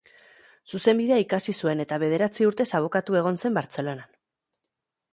Zuzenbidea ikasi zuen eta bederatzi urtez abokatu egon zen Bartzelonan.